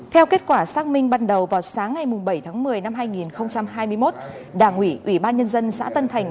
theo kết quả xác minh ban đầu vào sáng ngày bảy tháng một mươi năm hai nghìn hai mươi một đảng ủy ủy ban nhân dân xã tân thành